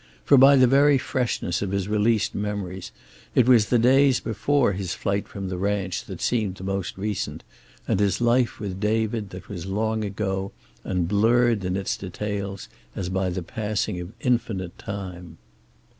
For by the very freshness of his released memories, it was the days before his flight from the ranch that seemed most recent, and his life with David that was long ago, and blurred in its details as by the passing of infinite time.